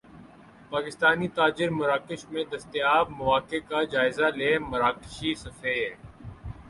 پاکستانی تاجر مراکش میں دستیاب مواقع کا جائزہ لیں مراکشی سفیر